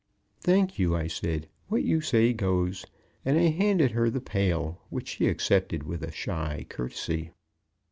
"Thank you," I said. "What you say goes," and I handed her the pail, which she accepted with a shy courtesy.